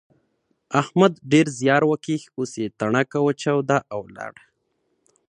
احمد ډېر زیار وکيښ اوس يې تڼاکه وچاوده او ولاړ.